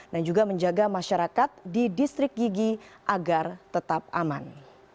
dan juga menjaga masyarakat di distrik yigi agar tetap aman